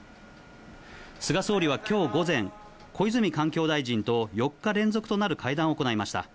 菅総理はきょう午前、小泉環境大臣と４日連続となる会談を行いました。